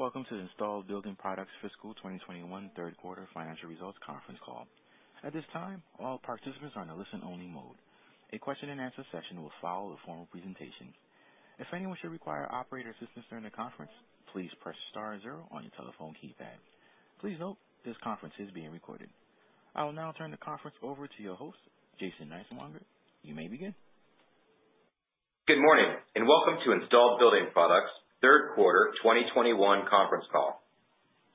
Greetings. Welcome to the Installed Building Products Fiscal 2021 Third Quarter Financial Results Conference Call. At this time, all participants are in a listen-only mode. A question-and-answer session will follow the formal presentation. If anyone should require operator assistance during the conference, please press star zero on your telephone keypad. Please note, this conference is being recorded. I will now turn the conference over to your host, Jason Niswonger. You may begin. Good morning, and welcome to Installed Building Products' third quarter 2021 conference call.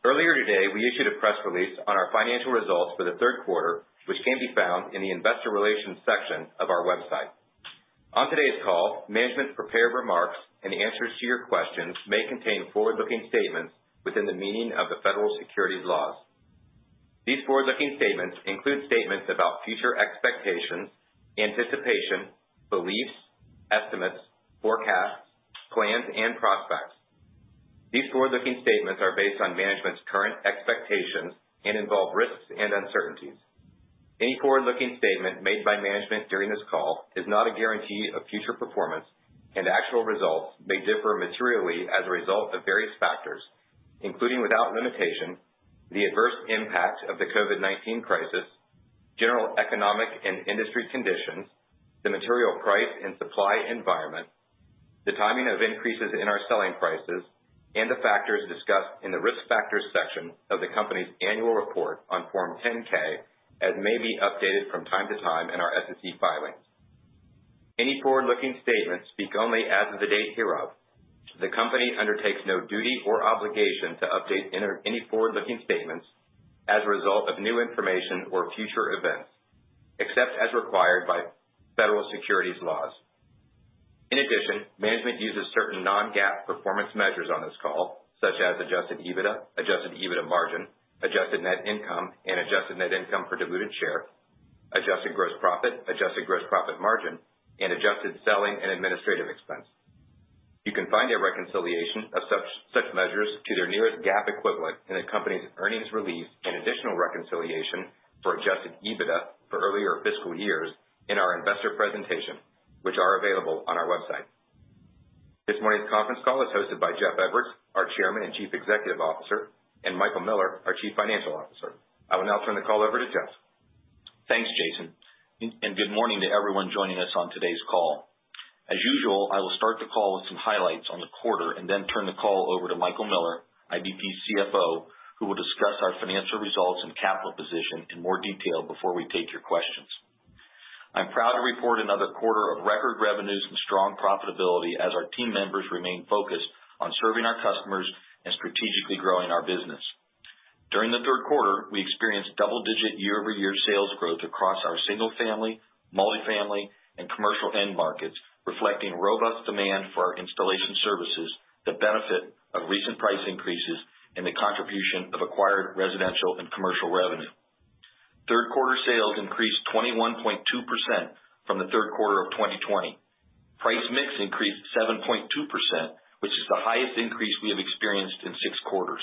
Earlier today, we issued a press release on our financial results for the third quarter, which can be found in the Investor Relations section of our website. On today's call, management's prepared remarks and answers to your questions may contain forward-looking statements within the meaning of the federal securities laws. These forward-looking statements include statements about future expectations, anticipation, beliefs, estimates, forecasts, plans, and prospects. These forward-looking statements are based on management's current expectations and involve risks and uncertainties. Any forward-looking statement made by management during this call is not a guarantee of future performance, and actual results may differ materially as a result of various factors, including without limitation, the adverse impact of the COVID-19 crisis, general economic and industry conditions, the material price and supply environment, the timing of increases in our selling prices, and the factors discussed in the Risk Factors section of the company's annual report on Form 10-K, as may be updated from time to time in our SEC filings. Any forward-looking statements speak only as of the date hereof. The company undertakes no duty or obligation to update any forward-looking statements as a result of new information or future events, except as required by federal securities laws. In addition, management uses certain non-GAAP performance measures on this call, such as adjusted EBITDA, adjusted EBITDA margin, adjusted net income, and adjusted net income per diluted share, adjusted gross profit, adjusted gross profit margin, and adjusted selling and administrative expense. You can find a reconciliation of such measures to their nearest GAAP equivalent in the company's earnings release and additional reconciliation for Adjusted EBITDA for earlier fiscal years in our investor presentation, which are available on our website. This morning's conference call is hosted by Jeff Edwards, our Chairman and Chief Executive Officer, and Michael Miller, our Chief Financial Officer. I will now turn the call over to Jeff. Thanks, Jason, and good morning to everyone joining us on today's call. As usual, I will start the call with some highlights on the quarter and then turn the call over to Michael Miller, IBP's CFO, who will discuss our financial results and capital position in more detail before we take your questions. I'm proud to report another quarter of record revenues and strong profitability as our team members remain focused on serving our customers and strategically growing our business. During the third quarter, we experienced double-digit year-over-year sales growth across our single-family, multifamily, and commercial end markets, reflecting robust demand for our installation services, the benefit of recent price increases, and the contribution of acquired residential and commercial revenue. Third quarter sales increased 21.2% from the third quarter of 2020. Price mix increased 7.2%, which is the highest increase we have experienced in six quarters.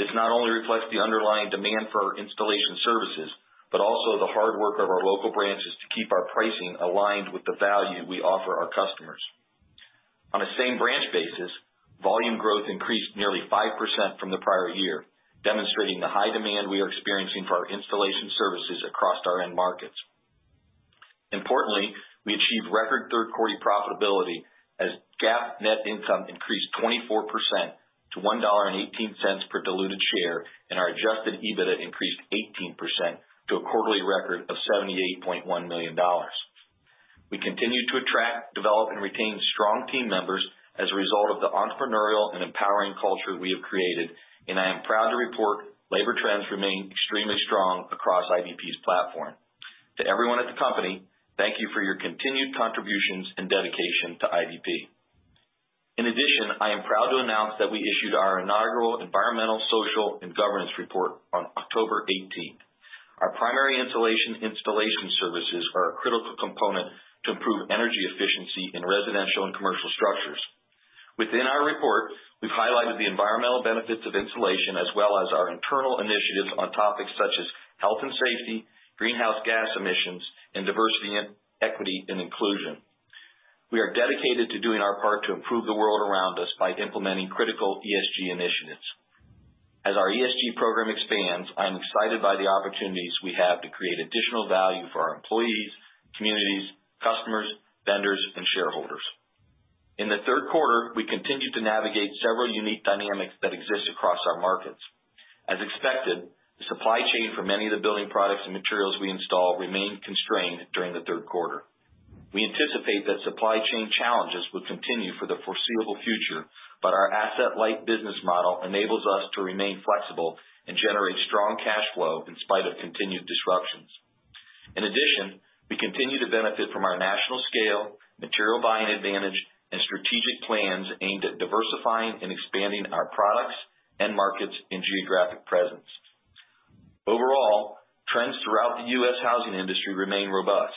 This not only reflects the underlying demand for our installation services, but also the hard work of our local branches to keep our pricing aligned with the value we offer our customers. On a same-branch basis, volume growth increased nearly 5% from the prior year, demonstrating the high demand we are experiencing for our installation services across our end markets. Importantly, we achieved record third quarter profitability as GAAP net income increased 24% to $1.18 per diluted share, and our Adjusted EBITDA increased 18% to a quarterly record of $78.1 million. We continue to attract, develop, and retain strong team members as a result of the entrepreneurial and empowering culture we have created, and I am proud to report labor trends remain extremely strong across IBP's platform. To everyone at the company, thank you for your continued contributions and dedication to IBP. In addition, I am proud to announce that we issued our inaugural environmental, social, and governance report on October 18th. Our primary insulation installation services are a critical component to improve energy efficiency in residential and commercial structures. Within our report, we've highlighted the environmental benefits of insulation as well as our internal initiatives on topics such as health and safety, greenhouse gas emissions, and diversity and equity and inclusion. We are dedicated to doing our part to improve the world around us by implementing critical ESG initiatives. As our ESG program expands, I am excited by the opportunities we have to create additional value for our employees, communities, customers, vendors, and shareholders. In the third quarter, we continued to navigate several unique dynamics that exist across our markets. As expected, the supply chain for many of the building products and materials we install remained constrained during the third quarter. We anticipate that supply chain challenges will continue for the foreseeable future, but our asset-light business model enables us to remain flexible and generate strong cash flow in spite of continued disruptions. In addition, we continue to benefit from our national scale, material buying advantage, and strategic plans aimed at diversifying and expanding our products and markets and geographic presence. Overall, trends throughout the US housing industry remain robust.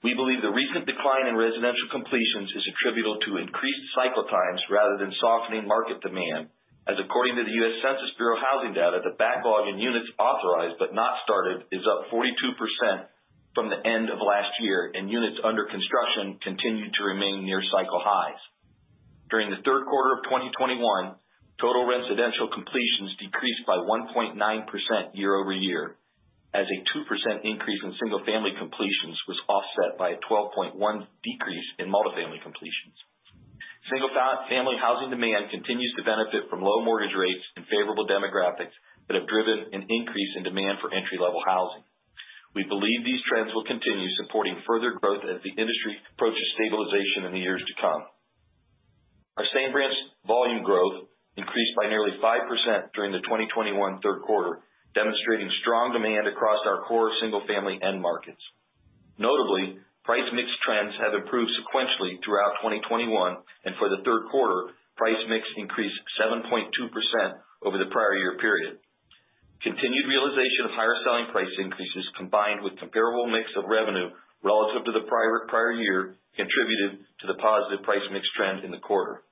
We believe the recent decline in residential completions is attributable to increased cycle times rather than softening market demand, as according to the U.S. Census Bureau housing data, the backlog in units authorized but not started is up 42% from the end of last year, and units under construction continued to remain near cycle highs. During the third quarter of 2021, total residential completions decreased by 1.9% year-over-year, as a 2% increase in single-family completions was offset by a 12.1% decrease in multifamily completions. Single-family housing demand continues to benefit from low mortgage rates and favorable demographics that have driven an increase in demand for entry-level housing. We believe these trends will continue supporting further growth as the industry approaches stabilization in the years to come. Our same branch volume growth increased by nearly 5% during the 2021 third quarter, demonstrating strong demand across our core single-family end markets. Notably, price mix trends have improved sequentially throughout 2021, and for the third quarter, price mix increased 7.2% over the prior year period. Continued realization of higher selling price increases, combined with comparable mix of revenue relative to the prior, prior year, contributed to the positive price mix trend in the quarter.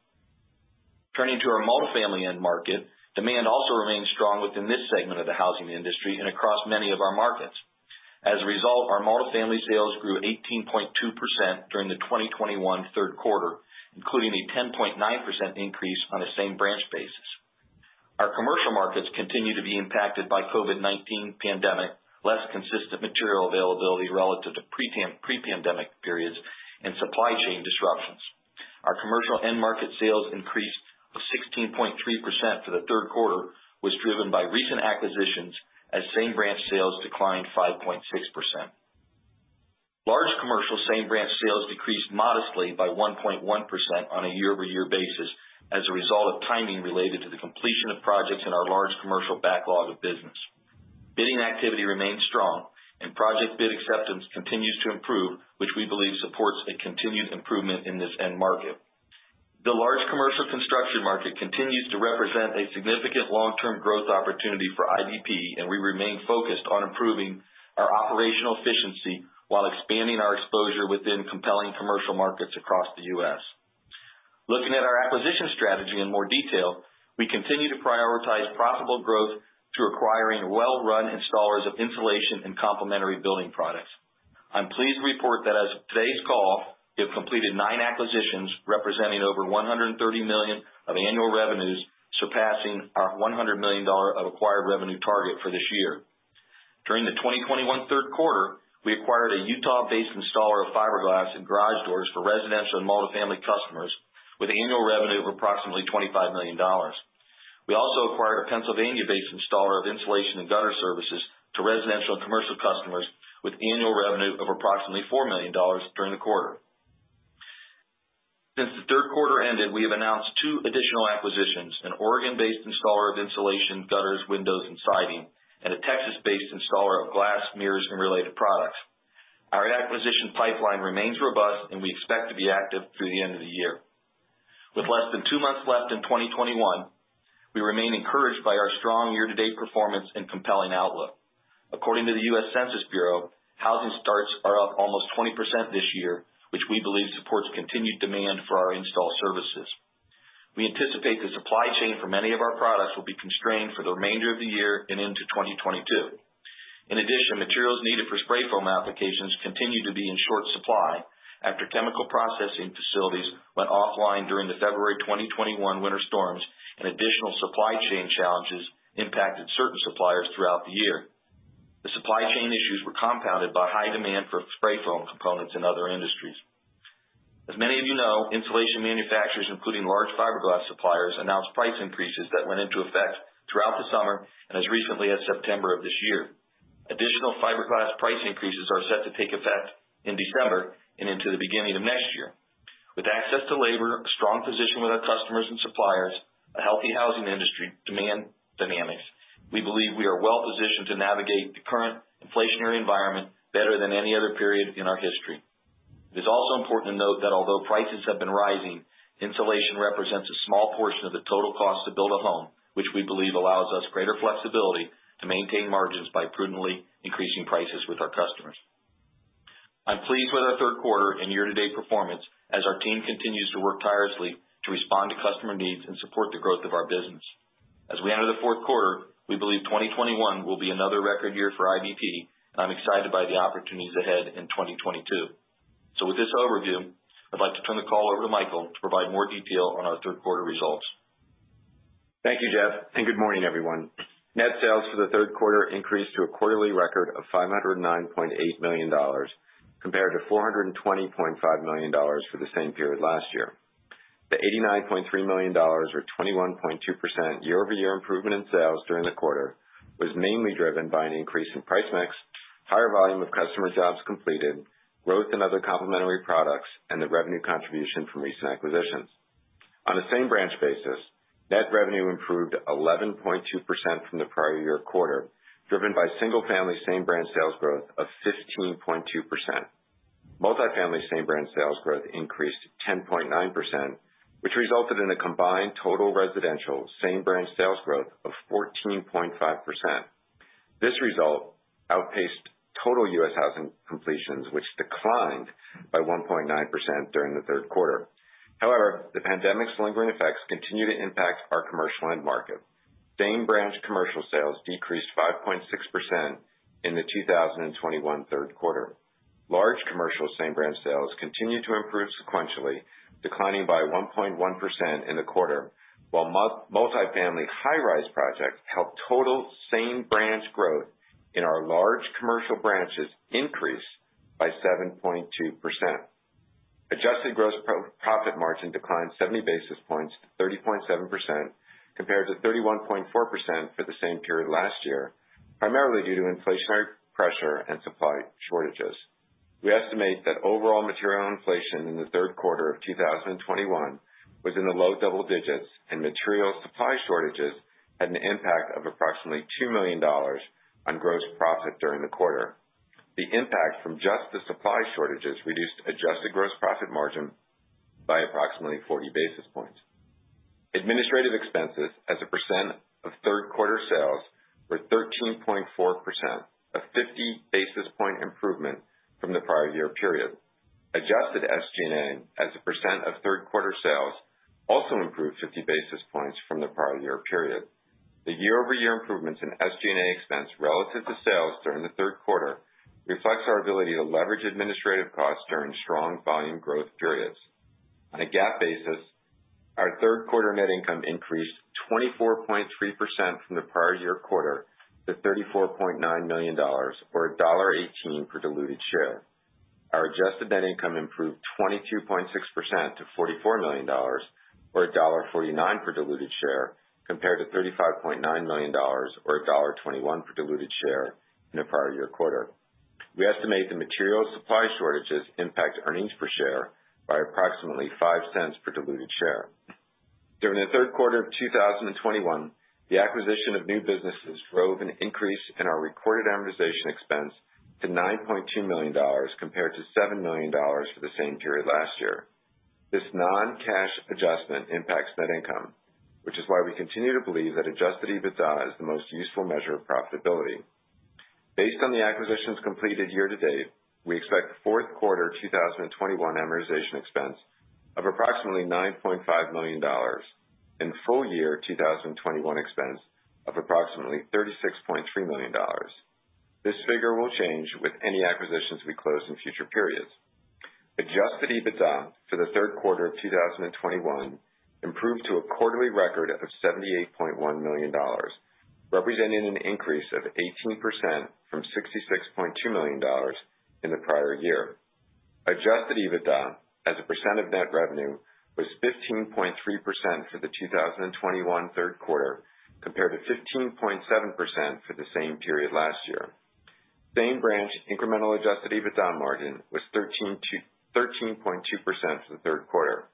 Turning to our multifamily end market, demand also remains strong within this segment of the housing industry and across many of our markets. As a result, our multifamily sales grew 18.2% during the 2021 third quarter, including a 10.9% increase on a same branch basis. Our commercial markets continue to be impacted by COVID-19 pandemic, less consistent material availability relative to pre-pandemic periods, and supply chain disruptions. Our commercial end market sales increase of 16.3% for the third quarter was driven by recent acquisitions, as same-branch sales declined 5.6%. Large commercial same-branch sales decreased modestly by 1.1% on a year-over-year basis as a result of timing related to the completion of projects in our large commercial backlog of business. Bidding activity remains strong and project bid acceptance continues to improve, which we believe supports a continued improvement in this end market. The large commercial construction market continues to represent a significant long-term growth opportunity for IBP, and we remain focused on improving our operational efficiency while expanding our exposure within compelling commercial markets across the U.S. Looking at our acquisition strategy in more detail, we continue to prioritize profitable growth through acquiring well-run installers of insulation and complementary building products. I'm pleased to report that as of today's call, we have completed nine acquisitions, representing over $130 million of annual revenues, surpassing our $100 million of acquired revenue target for this year. During the 2021 third quarter, we acquired a Utah-based installer of fiberglass and garage doors for residential and multifamily customers with annual revenue of approximately $25 million. We also acquired a Pennsylvania-based installer of insulation and gutter services to residential and commercial customers with annual revenue of approximately $4 million during the quarter. Since the third quarter ended, we have announced two additional acquisitions: an Oregon-based installer of insulation, gutters, windows, and siding, and a Texas-based installer of glass, mirrors, and related products. Our acquisition pipeline remains robust, and we expect to be active through the end of the year. With less than two months left in 2021, we remain encouraged by our strong year-to-date performance and compelling outlook. According to the U.S. Census Bureau, housing starts are up almost 20% this year, which we believe supports continued demand for our install services. We anticipate the supply chain for many of our products will be constrained for the remainder of the year and into 2022. In addition, materials needed for spray foam applications continue to be in short supply after chemical processing facilities went offline during the February 2021 winter storms, and additional supply chain challenges impacted certain suppliers throughout the year. The supply chain issues were compounded by high demand for spray foam components in other industries. As many of you know, insulation manufacturers, including large fiberglass suppliers, announced price increases that went into effect throughout the summer and as recently as September of this year. Additional fiberglass price increases are set to take effect in December and into the beginning of next year. With access to labor, a strong position with our customers and suppliers, a healthy housing industry, demand dynamics, we believe we are well positioned to navigate the current inflationary environment better than any other period in our history. It is also important to note that although prices have been rising, insulation represents a small portion of the total cost to build a home, which we believe allows us greater flexibility to maintain margins by prudently increasing prices with our customers. I'm pleased with our third quarter and year-to-date performance as our team continues to work tirelessly to respond to customer needs and support the growth of our business. As we enter the fourth quarter, we believe 2021 will be another record year for IBP, and I'm excited by the opportunities ahead in 2022. With this overview, I'd like to turn the call over to Michael to provide more detail on our third quarter results. Thank you, Jeff, and good morning, everyone. Net sales for the third quarter increased to a quarterly record of $509.8 million, compared to $420.5 million for the same period last year. The $89.3 million, or 21.2%, year-over-year improvement in sales during the quarter was mainly driven by an increase in price mix, higher volume of customer jobs completed, growth in other complementary products, and the revenue contribution from recent acquisitions. On a same branch basis, net revenue improved 11.2% from the prior year quarter, driven by single-family same branch sales growth of 15.2%. Multifamily same branch sales growth increased 10.9%, which resulted in a combined total residential same branch sales growth of 14.5%. This result outpaced total U.S. housing completions, which declined by 1.9% during the third quarter. However, the pandemic's lingering effects continue to impact our commercial end market. Same-branch commercial sales decreased 5.6% in the 2021 third quarter. Large commercial same-branch sales continued to improve sequentially, declining by 1.1% in the quarter, while multifamily high rise projects helped total same-branch growth in our large commercial branches increase by 7.2%. Adjusted gross profit margin declined 70 basis points to 30.7%, compared to 31.4% for the same period last year, primarily due to inflationary pressure and supply shortages. We estimate that overall material inflation in the third quarter of 2021 was in the low double digits, and material supply shortages had an impact of approximately $2 million on gross profit during the quarter. The impact from just the supply shortages reduced adjusted gross profit margin by approximately 40 basis points. Administrative expenses as a percent of third quarter sales were 13.4%, a 50 basis point improvement from the prior year period. Adjusted SG&A, as a percent of third quarter sales, also improved 50 basis points from the prior year period. The year-over-year improvements in SG&A expense relative to sales during the third quarter reflects our ability to leverage administrative costs during strong volume growth periods. On a GAAP basis, our third quarter net income increased 24.3% from the prior year quarter to $34.9 million or $1.18 per diluted share. Our adjusted net income improved 22.6% to $44 million or $1.49 per diluted share, compared to $35.9 million or $1.21 per diluted share in the prior year quarter. We estimate the material supply shortages impact earnings per share by approximately $0.05 per diluted share. During the third quarter of 2021, the acquisition of new businesses drove an increase in our recorded amortization expense to $9.2 million, compared to $7 million for the same period last year. This non-cash adjustment impacts net income, which is why we continue to believe that Adjusted EBITDA is the most useful measure of profitability. Based on the acquisitions completed year to date, we expect fourth quarter 2021 amortization expense of approximately $9.5 million and full year 2021 expense of approximately $36.3 million. This figure will change with any acquisitions we close in future periods. Adjusted EBITDA for the third quarter of 2021 improved to a quarterly record of $78.1 million, representing an increase of 18% from $66.2 million in the prior year. Adjusted EBITDA as a percent of net revenue was 15.3% for the 2021 third quarter, compared to 15.7% for the same period last year. Same-branch incremental adjusted EBITDA margin was 13.2% for the third quarter.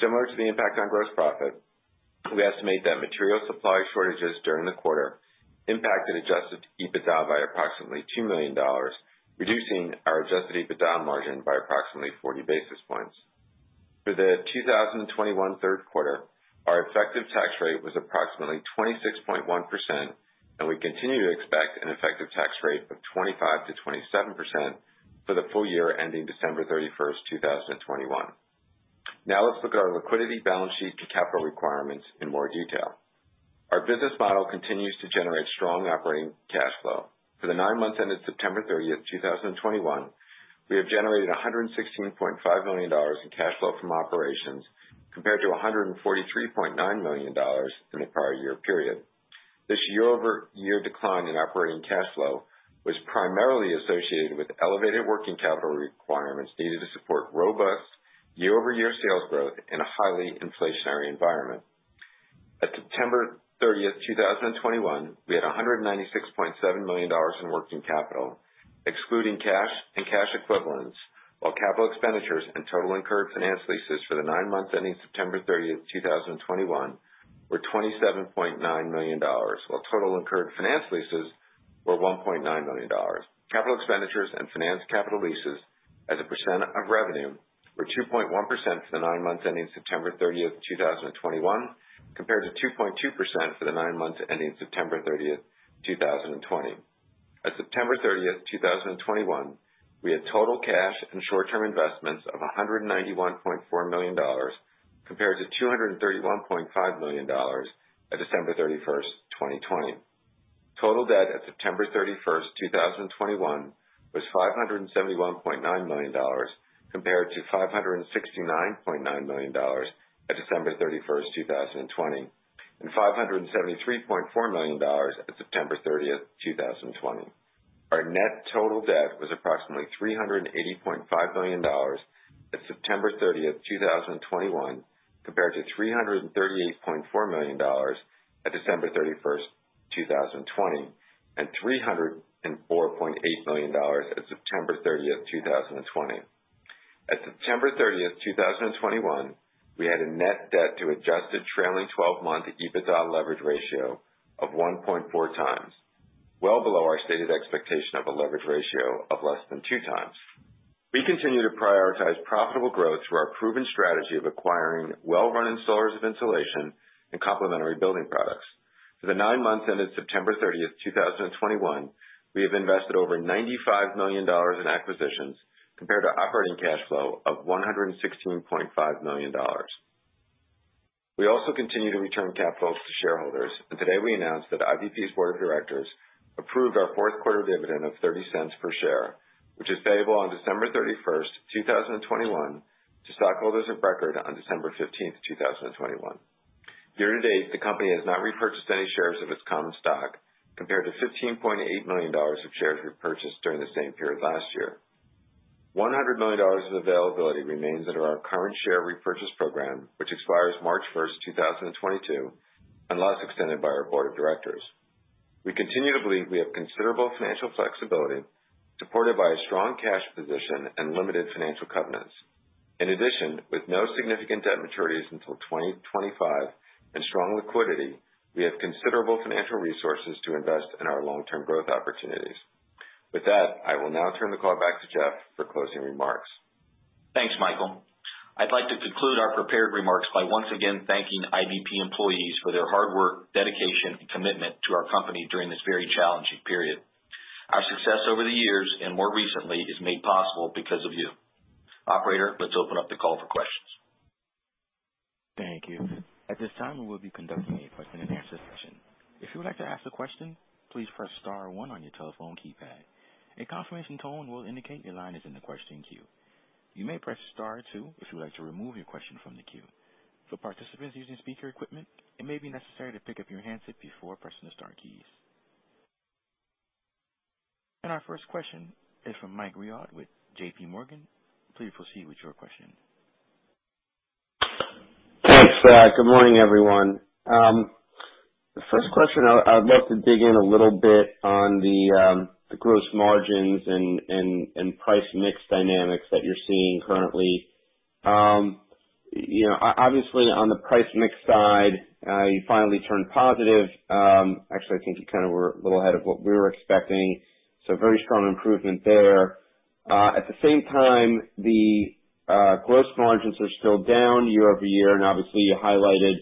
Similar to the impact on gross profit, we estimate that material supply shortages during the quarter impacted Adjusted EBITDA by approximately $2 million, reducing our adjusted EBITDA margin by approximately 40 basis points. For the 2021 third quarter, our effective tax rate was approximately 26.1%, and we continue to expect an effective tax rate of 25%-27% for the full year ending December 31st, 2021. Now let's look at our liquidity balance sheet and capital requirements in more detail. Our business model continues to generate strong operating cash flow. For the nine months ended September 30, 2021, we have generated $116.5 million in cash flow from operations compared to $143.9 million in the prior year period. This year-over-year decline in operating cash flow was primarily associated with elevated working capital requirements needed to support robust year-over-year sales growth in a highly inflationary environment. At September 30th, 2021, we had $196.7 million in working capital, excluding cash and cash equivalents, while capital expenditures and total incurred finance leases for the nine months ending September 30th, 2021, were $27.9 million, while total incurred finance leases were $1.9 million. Capital expenditures and finance capital leases as a percent of revenue were 2.1% for the nine months ending September 30th, 2021, compared to 2.2% for the nine months ending September 30th, 2020. At September 30th, 2021, we had total cash and short-term investments of $191.4 million, compared to $231.5 million at December 31st, 2020. Total debt at September 31st, 2021, was $571.9 million, compared to $569.9 million at December 31st, 2020, and $573.4 million at September 30th, 2020. Our net total debt was approximately $380.5 million at September 30th, 2021, compared to $338.4 million at December 31st, 2020, and $304.8 million at September 30th, 2020. As of September 30th, 2021, we had a net debt to adjusted trailing twelve-month EBITDA leverage ratio of 1.4x, well below our stated expectation of a leverage ratio of less than 2x. We continue to prioritize profitable growth through our proven strategy of acquiring well-run installers of insulation and complementary building products. For the nine months ended September 30th, 2021, we have invested over $95 million in acquisitions compared to operating cash flow of $116.5 million. We also continue to return capital to shareholders, and today we announced that IBP's board of directors approved our fourth quarter dividend of $0.30 per share, which is payable on December 31st, 2021, to stockholders of record on December 15th, 2021. Year to date, the company has not repurchased any shares of its common stock, compared to $15.8 million of shares repurchased during the same period last year. $100 million of availability remains under our current share repurchase program, which expires March 1st, 2022, unless extended by our board of directors. We continue to believe we have considerable financial flexibility, supported by a strong cash position and limited financial covenants. In addition, with no significant debt maturities until 2025 and strong liquidity, we have considerable financial resources to invest in our long-term growth opportunities. With that, I will now turn the call back to Jeff for closing remarks. Thanks, Michael. I'd like to conclude our prepared remarks by once again thanking IBP employees for their hard work, dedication, and commitment to our company during this very challenging period. Our success over the years, and more recently, is made possible because of you. Operator, let's open up the call for questions. Thank you. At this time, we will be conducting a question and answer session. If you would like to ask a question, please press star one on your telephone keypad. A confirmation tone will indicate your line is in the question queue. You may press star two if you would like to remove your question from the queue. For participants using speaker equipment, it may be necessary to pick up your handset before pressing the star keys. Our first question is from Michael Rehaut with JPMorgan. Please proceed with your question. Thanks, good morning, everyone. The first question, I'd love to dig in a little bit on the gross margins and price mix dynamics that you're seeing currently. You know, obviously, on the price mix side, you finally turned positive. Actually, I think you kind of were a little ahead of what we were expecting, so very strong improvement there. At the same time, the gross margins are still down year-over-year, and obviously you highlighted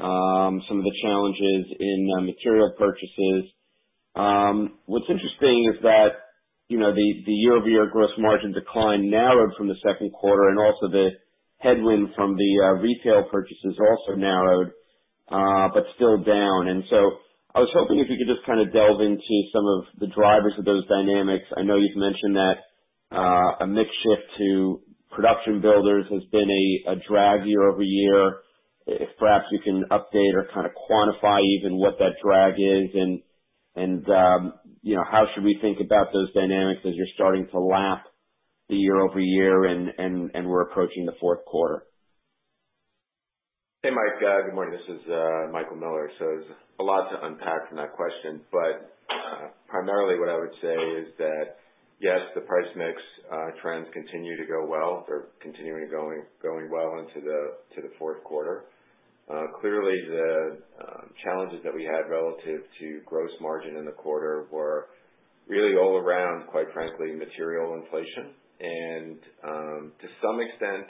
some of the challenges in material purchases. What's interesting is that, you know, the year-over-year gross margin decline narrowed from the second quarter, and also the headwind from the retail purchases also narrowed, but still down. And so I was hoping if you could just kind of delve into some of the drivers of those dynamics. I know you've mentioned that a mix shift to production builders has been a drag year-over-year. If perhaps you can update or kind of quantify even what that drag is, and you know, how should we think about those dynamics as you're starting to lap the year-over-year and we're approaching the fourth quarter? Hey, Mike, good morning. This is Michael Miller. So there's a lot to unpack from that question, but primarily what I would say is that, yes, the price mix trends continue to go well. They're continuing to go well into the fourth quarter. Clearly, the challenges that we had relative to gross margin in the quarter were really all around, quite frankly, material inflation and, to some extent,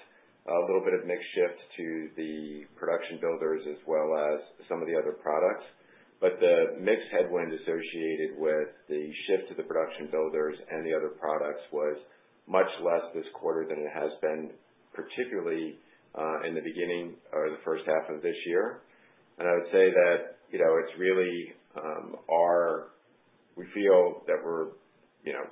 a little bit of mix shift to the production builders as well as some of the other products. But the mix headwind associated with the shift to the production builders and the other products was much less this quarter than it has been, particularly in the beginning or the first half of this year. I would say that, you know, it's really our, we feel that we're, you know,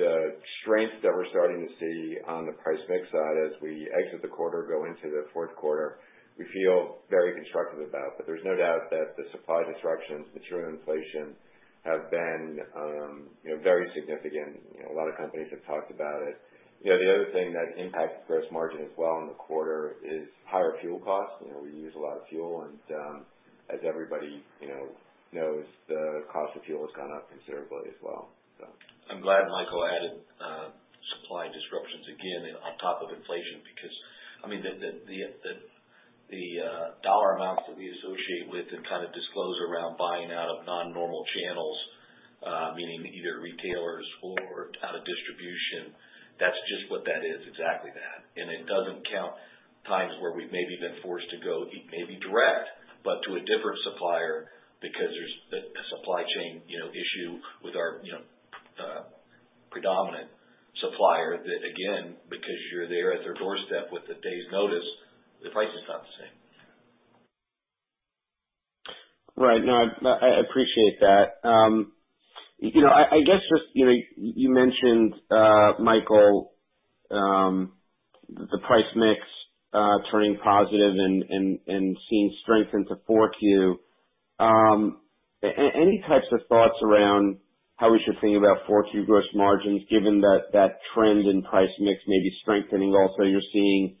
the strength that we're starting to see on the price mix side as we exit the quarter, go into the fourth quarter, we feel very constructive about. But there's no doubt that the supply disruptions, material inflation, have been, you know, very significant. You know, a lot of companies have talked about it. You know, the other thing that impacts gross margin as well in the quarter is higher fuel costs. You know, we use a lot of fuel, and, as everybody, you know, knows, the cost of fuel has gone up considerably as well, so. I'm glad Michael added supply disruptions again on top of inflation, because, I mean, the dollar amounts that we associate with and kind of disclose around buying out of non-normal channels, meaning either retailers or out of distribution, that's just what that is, exactly that. It doesn't count times where we've maybe been forced to go, maybe direct, but to a different supplier, because there's a supply chain, you know, issue with our, you know, predominant supplier, that again, because you're there at their doorstep with a day's notice, the price is not the same. Right. No, I appreciate that. You know, I guess just, you know, you mentioned, Michael, the price mix, turning positive and seeing strength into 4Q. Any types of thoughts around how we should think about 4Q gross margins, given that that trend in price mix may be strengthening? Also, you're seeing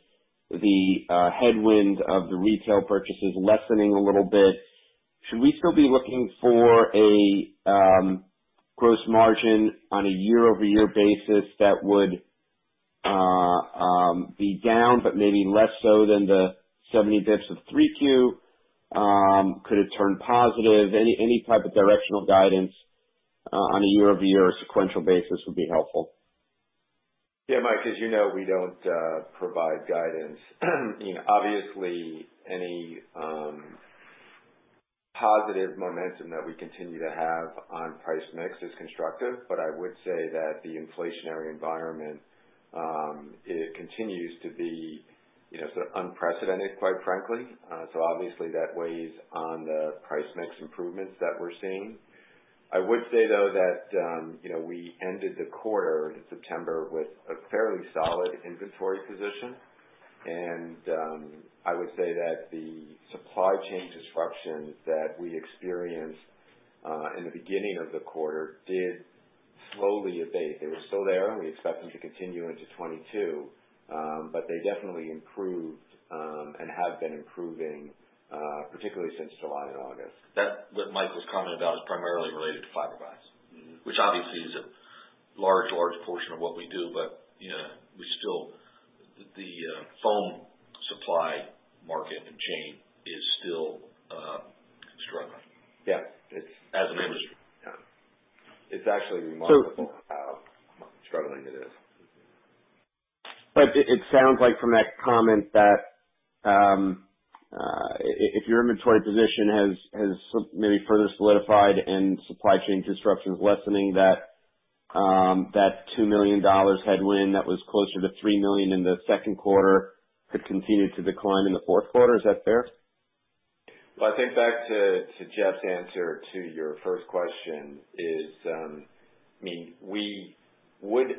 the headwind of the retail purchases lessening a little bit. Should we still be looking for a gross margin on a year-over-year basis that would be down, but maybe less so than the 70 basis points of 3Q? Could it turn positive? Any type of directional guidance on a year-over-year sequential basis would be helpful. Yeah, Mike, as you know, we don't provide guidance. You know, obviously, any positive momentum that we continue to have on price mix is constructive, but I would say that the inflationary environment, it continues to be, you know, sort of unprecedented, quite frankly. So obviously that weighs on the price mix improvements that we're seeing. I would say, though, that you know, we ended the quarter in September with a fairly solid inventory position. And I would say that the supply chain disruptions that we experienced in the beginning of the quarter did slowly abate. They were still there, and we expect them to continue into 2022, but they definitely improved and have been improving, particularly since July and August. That, what Michael's commenting about, is primarily related to fiberglass. Mm-hmm. Which obviously is a large, large portion of what we do. But, you know, the foam supply chain is still struggling. Yeah. It's as an industry. Yeah. It's actually remarkable- So- how struggling it is. But it sounds like from that comment that, if your inventory position has maybe further solidified and supply chain disruption is lessening, that $2 million headwind that was closer to $3 million in the second quarter could continue to decline in the fourth quarter. Is that fair? Well, I think back to Jeff's answer to your first question. I mean, we're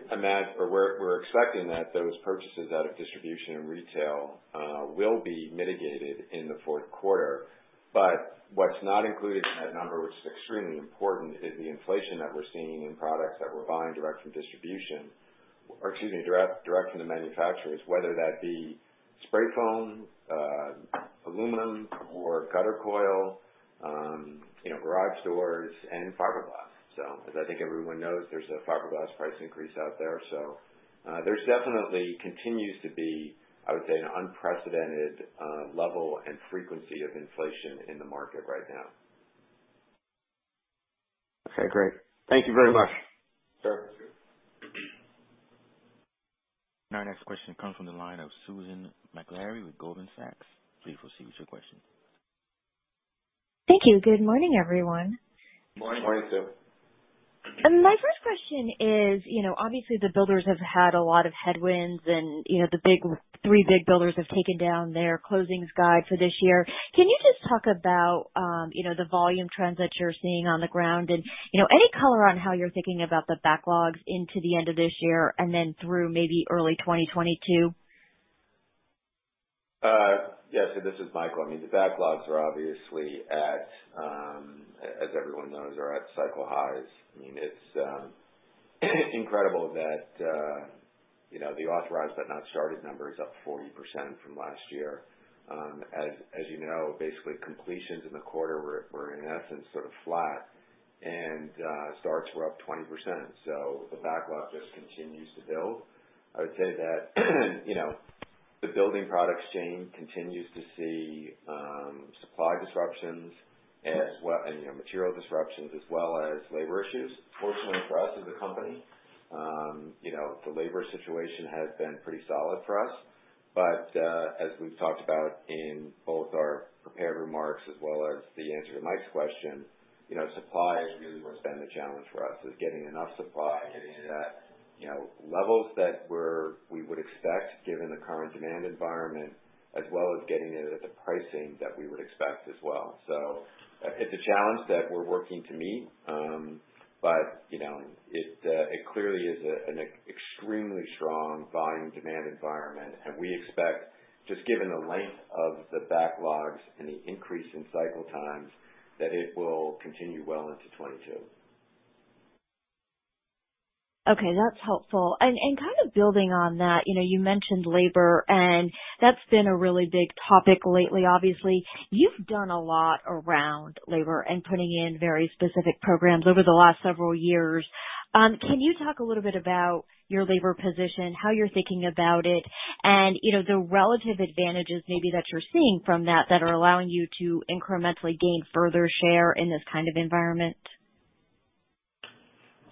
expecting that those purchases out of distribution and retail will be mitigated in the fourth quarter. But what's not included in that number, which is extremely important, is the inflation that we're seeing in products that we're buying direct from distribution, or excuse me, direct from the manufacturers. Whether that be spray foam, aluminum or gutter coil, you know, garage doors and fiberglass. So as I think everyone knows, there's a fiberglass price increase out there. So there's definitely continues to be, I would say, an unprecedented level and frequency of inflation in the market right now. Okay, great. Thank you very much. Sure. Sure. Our next question comes from the line of Susan Maklari with Goldman Sachs. Please proceed with your question. Thank you. Good morning, everyone. Morning. Morning, Sue. My first question is, you know, obviously the builders have had a lot of headwinds, and, you know, the three big builders have taken down their closings guide for this year. Can you just talk about, you know, the volume trends that you're seeing on the ground? You know, any color on how you're thinking about the backlogs into the end of this year and then through maybe early 2022? Yes, so this is Michael. I mean, the backlogs are obviously at, as everyone knows, are at cycle highs. I mean, it's incredible that, you know, the authorized but not started number is up 40% from last year. As you know, basically completions in the quarter were, in essence, sort of flat and starts were up 20%, so the backlog just continues to build. I would say that, you know, the building products chain continues to see supply disruptions as well, and, you know, material disruptions as well as labor issues. Fortunately for us, as a company, you know, the labor situation has been pretty solid for us. But as we've talked about in both our prepared remarks as well as the answer to Mike's question, you know, supply has really been the challenge for us, is getting enough supply at, you know, levels that we would expect, given the current demand environment, as well as getting it at the pricing that we would expect as well. So it's a challenge that we're working to meet. But, you know, it clearly is an extremely strong buying demand environment, and we expect, just given the length of the backlogs and the increase in cycle times, that it will continue well into 2022. Okay, that's helpful. And kind of building on that, you know, you mentioned labor, and that's been a really big topic lately obviously. You've done a lot around labor and putting in very specific programs over the last several years. Can you talk a little bit about your labor position, how you're thinking about it, and, you know, the relative advantages maybe that you're seeing from that that are allowing you to incrementally gain further share in this kind of environment?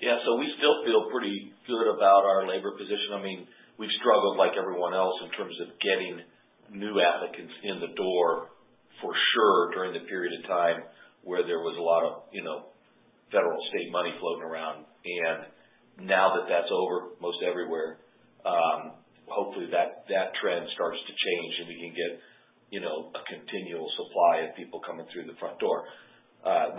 Yeah, so we still feel pretty good about our labor position. I mean, we've struggled like everyone else in terms of getting new applicants in the door, for sure during the period of time where there was a lot of, you know, federal, state money floating around. And now that that's over, most everywhere, hopefully that trend starts to change and we can get, you know, a continual supply of people coming through the front door.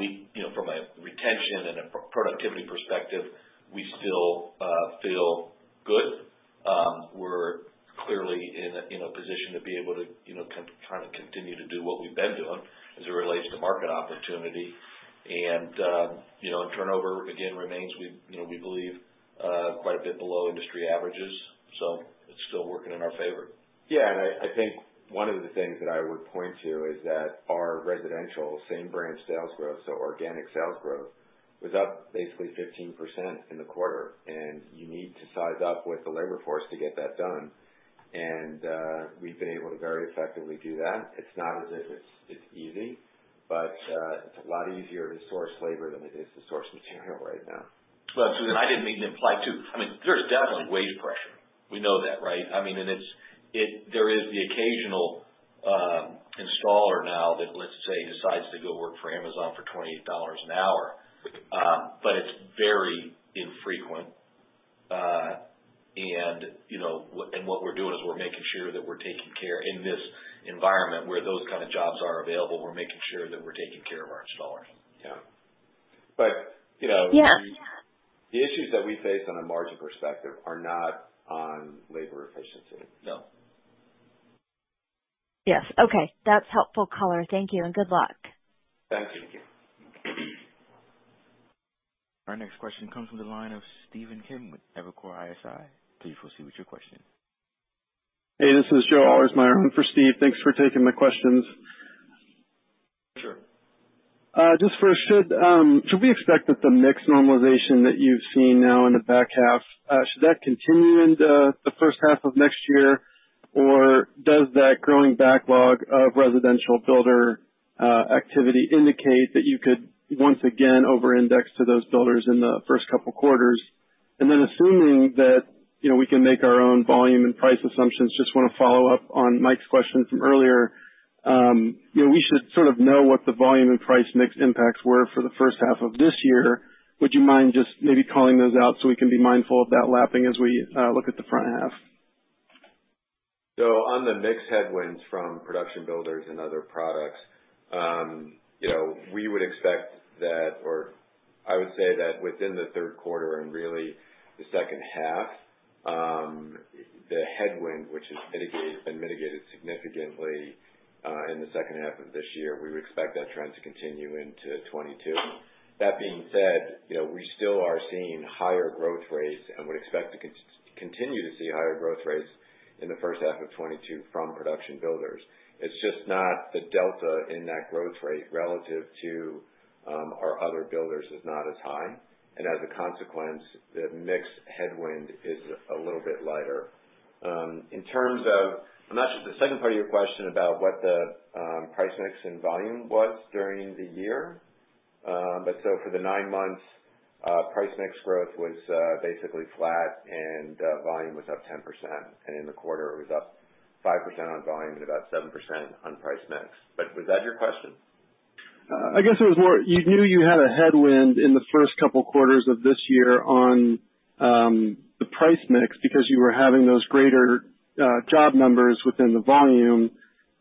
We, you know, from a retention and a productivity perspective, we still feel good. We're clearly in a position to be able to, you know, kind of continue to do what we've been doing as it relates to market opportunity. You know, turnover again remains, we, you know, we believe quite a bit below industry averages, so it's still working in our favor. Yeah, I think one of the things that I would point to is that our residential same-branch sales growth, so organic sales growth, was up basically 15% in the quarter, and you need to size up with the labor force to get that done. We've been able to very effectively do that. It's not as if it's easy, but it's a lot easier to source labor than it is to source material right now. Well, Susan, I didn't mean to imply... I mean, there's definitely wage pressure.... We know that, right? I mean, and it's. There is the occasional installer now that, let's say, decides to go work for Amazon for $28 an hour. But it's very infrequent. And, you know, and what we're doing is we're making sure that we're taking care in this environment, where those kind of jobs are available, we're making sure that we're taking care of our installers. Yeah. But, you know- Yeah. The issues that we face on a margin perspective are not on labor efficiency. No. Yes. Okay. That's helpful color. Thank you, and good luck. Thank you. Thank you. Our next question comes from the line of Stephen Kim with Evercore ISI. Please proceed with your question. Hey, this is Joe Ahlersmeyer in for Steve. Thanks for taking my questions. Sure. Just first, should we expect that the mix normalization that you've seen now in the back half, should that continue into the first half of next year? Or does that growing backlog of residential builder activity indicate that you could once again over-index to those builders in the first couple quarters? And then assuming that, you know, we can make our own volume and price assumptions, just wanna follow up on Mike's question from earlier. You know, we should sort of know what the volume and price mix impacts were for the first half of this year. Would you mind just maybe calling those out so we can be mindful of that lapping as we look at the front half? So on the mix headwinds from production builders and other products, you know, we would expect that... or I would say that within the third quarter and really the second half, the headwind, which has been mitigated significantly, in the second half of this year, we would expect that trend to continue into 2022. That being said, you know, we still are seeing higher growth rates and would expect to continue to see higher growth rates in the first half of 2022 from production builders. It's just not the delta in that growth rate relative to our other builders is not as high, and as a consequence, the mix headwind is a little bit lighter. In terms of... I'm not sure the second part of your question about what the price mix and volume was during the year. But so for the nine months, price mix growth was basically flat and volume was up 10%, and in the quarter it was up 5% on volume and about 7% on price mix. But was that your question? I guess it was more, you knew you had a headwind in the first couple quarters of this year on the price mix, because you were having those greater job numbers within the volume.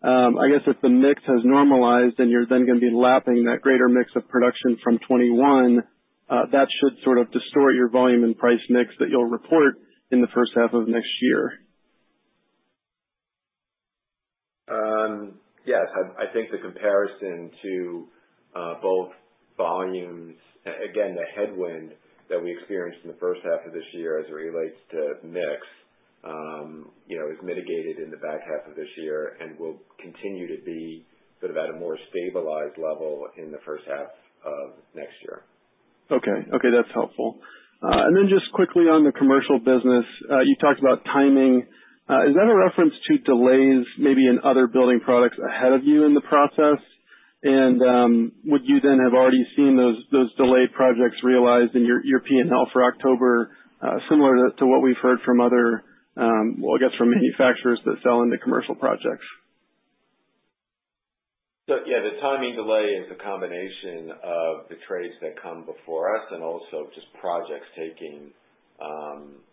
I guess if the mix has normalized, then you're then gonna be lapping that greater mix of production from 2021. That should sort of distort your volume and price mix that you'll report in the first half of next year. Yes, I think the comparison to both volumes, again, the headwind that we experienced in the first half of this year as it relates to mix, you know, is mitigated in the back half of this year and will continue to be sort of at a more stabilized level in the first half of next year. Okay. Okay, that's helpful. And then just quickly on the commercial business, you talked about timing. Is that a reference to delays, maybe in other building products ahead of you in the process? And, would you then have already seen those, those delayed projects realized in your, your P&L for October, similar to, to what we've heard from other, well, I guess from manufacturers that sell into commercial projects? So yeah, the timing delay is a combination of the trades that come before us and also just projects taking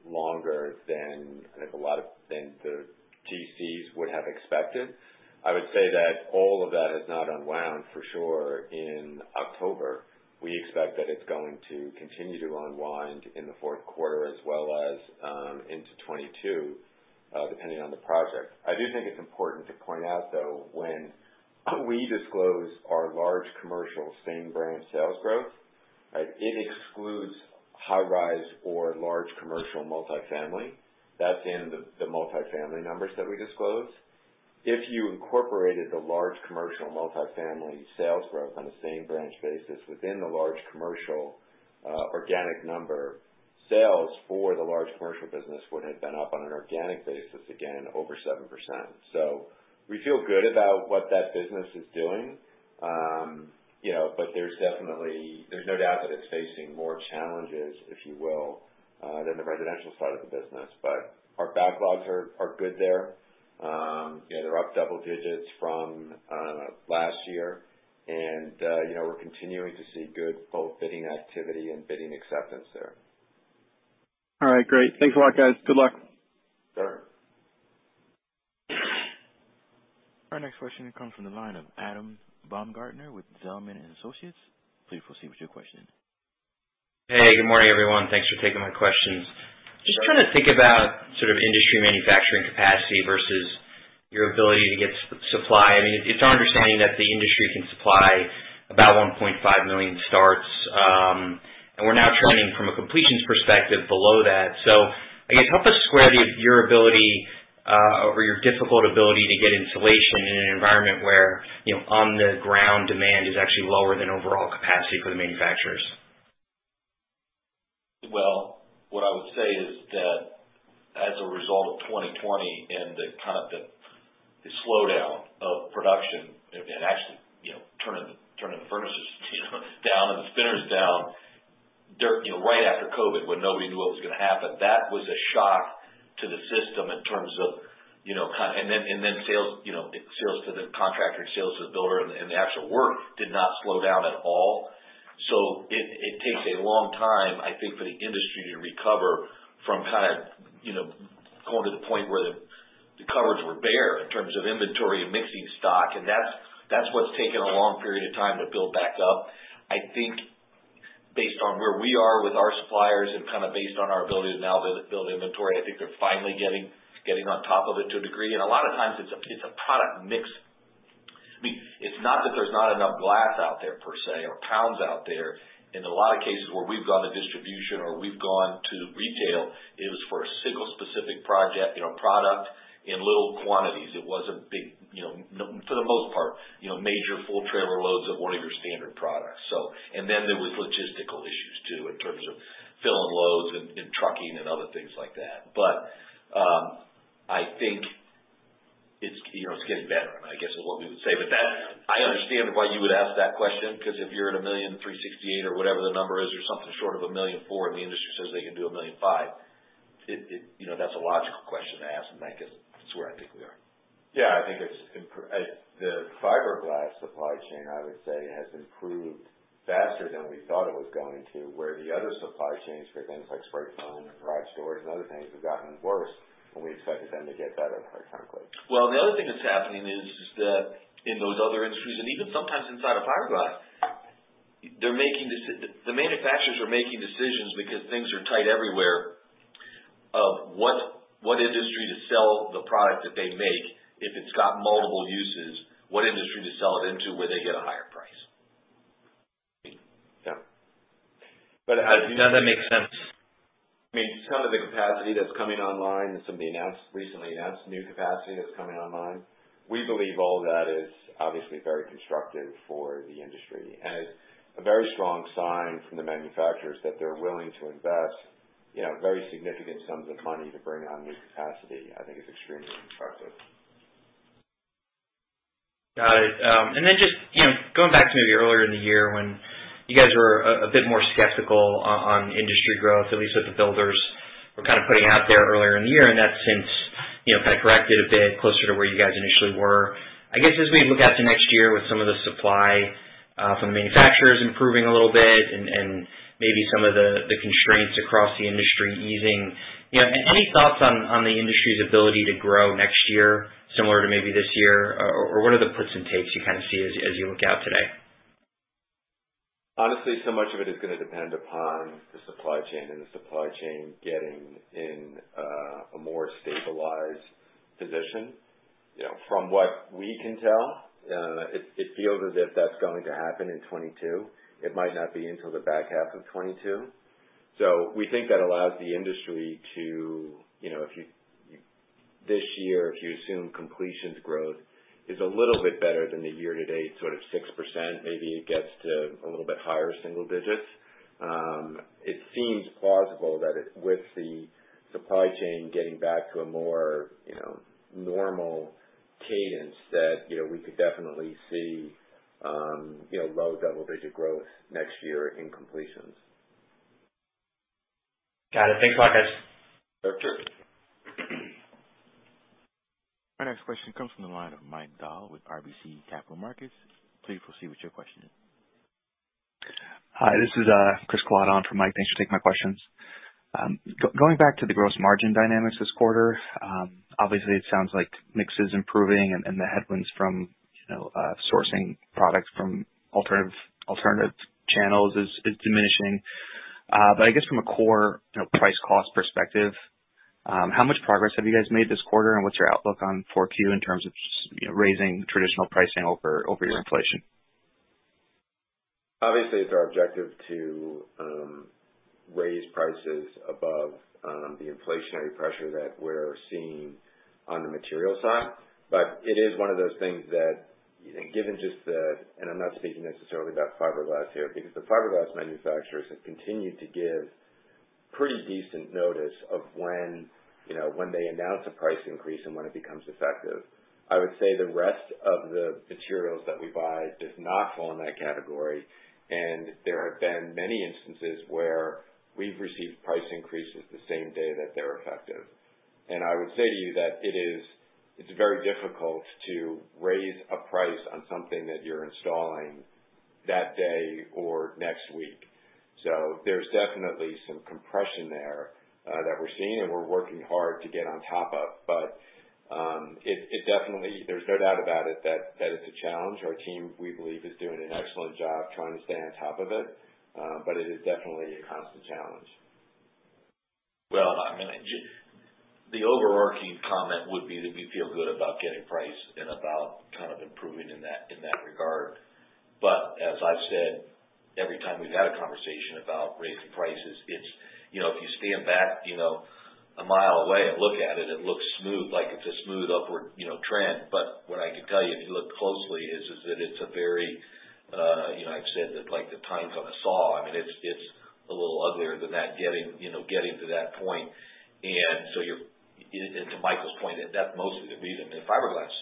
longer than I think than the GCs would have expected. I would say that all of that has not unwound for sure in October. We expect that it's going to continue to unwind in the fourth quarter as well as into 2022, depending on the project. I do think it's important to point out, though, when we disclose our large commercial same-branch sales growth, right, it excludes high-rise or large commercial multifamily. That's in the multifamily numbers that we disclose. If you incorporated the large commercial multifamily sales growth on a same-branch basis within the large commercial organic number, sales for the large commercial business would have been up on an organic basis again, over 7%. So we feel good about what that business is doing. You know, but there's definitely, there's no doubt that it's facing more challenges, if you will, than the residential side of the business. But our backlogs are good there. Yeah, they're up double digits from last year, and you know, we're continuing to see good both bidding activity and bidding acceptance there. All right, great. Thanks a lot, guys. Good luck. Sure. Our next question comes from the line of Adam Baumgarten with Zelman & Associates. Please proceed with your question. Hey, good morning, everyone. Thanks for taking my questions. Just trying to think about sort of industry manufacturing capacity versus your ability to get supply. I mean, it's our understanding that the industry can supply about 1.5 million starts, and we're now trending from a completions perspective below that. So I guess help us square your ability or your difficulty to get insulation in an environment where, you know, on the ground, demand is actually lower than overall capacity for the manufacturers. Well, what I would say is that as a result of 2020 and the kind of slowdown of production and actually-... you know, right after COVID, when nobody knew what was gonna happen, that was a shock to the system in terms of, you know, kind of. And then sales, you know, sales to the contractor, sales to the builder, and the actual work did not slow down at all. So it takes a long time, I think, for the industry to recover from kind of, you know, going to the point where the cupboards were bare in terms of inventory and missing stock. And that's what's taken a long period of time to build back up. I think based on where we are with our suppliers and kind of based on our ability to now build inventory, I think they're finally getting on top of it to a degree. And a lot of times it's a product mix. I mean, it's not that there's not enough glass out there per se, or pounds out there. In a lot of cases where we've gone to distribution or we've gone to retail, it was for a single specific project, you know, product in little quantities. It wasn't big, you know, for the most part, you know, major full trailer loads of one of your standard products, so. And then there was logistical issues, too, in terms of filling loads and trucking and other things like that. But, I think it's, you know, it's getting better, I guess is what we would say. But that—I understand why you would ask that question, because if you're at 1.368 million or whatever the number is, or something short of 1.4 million, and the industry says they can do 1.5 million, it, it, you know, that's a logical question to ask, and I guess that's where I think we are. Yeah, I think it's improved, the fiberglass supply chain, I would say, has improved faster than we thought it was going to, where the other supply chains for things like spray foam and garage doors and other things have gotten worse, and we expected them to get better, quite frankly. Well, the other thing that's happening is that in those other industries, and even sometimes inside of fiberglass, they're making decisions because things are tight everywhere, of what industry to sell the product that they make, if it's got multiple uses, what industry to sell it into, where they get a higher price. Yeah. But, That makes sense. I mean, some of the capacity that's coming online and some of the announced, recently announced new capacity that's coming online, we believe all of that is obviously very constructive for the industry. It's a very strong sign from the manufacturers that they're willing to invest, you know, very significant sums of money to bring on new capacity. I think it's extremely constructive. Got it. And then just, you know, going back to maybe earlier in the year when you guys were a bit more skeptical on industry growth, at least that the builders were kind of putting out there earlier in the year, and that's since, you know, kind of corrected a bit closer to where you guys initially were. I guess, as we look out to next year with some of the supply from the manufacturers improving a little bit and maybe some of the constraints across the industry easing, you know, any thoughts on the industry's ability to grow next year, similar to maybe this year? Or what are the puts and takes you kind of see as you look out today? Honestly, so much of it is gonna depend upon the supply chain and the supply chain getting in a more stabilized position. You know, from what we can tell, it feels as if that's going to happen in 2022. It might not be until the back half of 2022. So we think that allows the industry to, you know, if you this year, if you assume completions growth is a little bit better than the year to date, sort of 6%, maybe it gets to a little bit higher single digits. It seems plausible that, with the supply chain getting back to a more, you know, normal cadence, that, you know, we could definitely see low double-digit growth next year in completions. Got it. Thanks a lot, guys. Sure. Our next question comes from the line of Mike Dahl with RBC Capital Markets. Please proceed with your question. Hi, this is Chris Kalata for Mike. Thanks for taking my questions. Going back to the gross margin dynamics this quarter, obviously, it sounds like mix is improving and the headwinds from, you know, sourcing products from alternative channels is diminishing. But I guess from a core, you know, price cost perspective, how much progress have you guys made this quarter, and what's your outlook on 4Q in terms of you know, raising traditional pricing over your inflation? Obviously, it's our objective to raise prices above the inflationary pressure that we're seeing on the material side. But it is one of those things that, given just the... And I'm not speaking necessarily about fiberglass here, because the fiberglass manufacturers have continued to give pretty decent notice of when, you know, when they announce a price increase and when it becomes effective. I would say the rest of the materials that we buy does not fall in that category, and there have been many instances where we've received price increases the same day that they're effective. And I would say to you that it is. It's very difficult to raise a price on something that you're installing that day or next week. So there's definitely some compression there that we're seeing and we're working hard to get on top of. It definitely, there's no doubt about it, that it's a challenge. Our team, we believe, is doing an excellent job trying to stay on top of it, but it is definitely a constant challenge. Well, I mean, the overarching comment would be that we feel good about getting price and about kind of improving in that regard. But as I've said, every time we've had a conversation about raising prices, it's, you know, if you stand back, you know, a mile away and look at it, it looks smooth, like it's a smooth, upward, you know, trend. But what I can tell you, if you look closely, is that it's a very, you know, I've said that, like the times on a saw. I mean, it's a little uglier than that getting, you know, getting to that point. And to Michael's point, that's mostly the reason that fiberglass